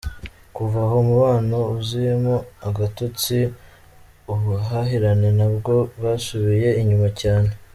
Kuva aho umubano uziyemo agatotsi, ubuhahirane na bwo bwasubiye inyuma cyane.